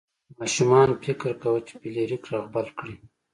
ماشومان فکر کاوه چې فلیریک رغبل کړي.